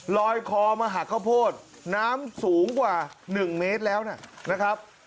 ลอยคอมาหักข้าวโพดน้ำสูงกว่า๑เมตรแล้วนะครับ